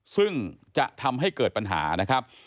ซึ่งจะทำให้เกิดปัญหานะครับ